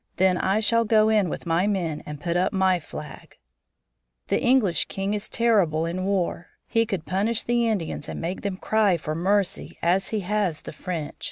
Then I shall go in with my men and put up my flag. "The English king is terrible in war. He could punish the Indians and make them cry for mercy, as he has the French.